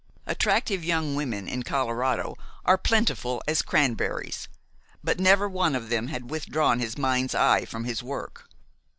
Attractive young women in Colorado are plentiful as cranberries; but never one of them had withdrawn his mind's eye from his work.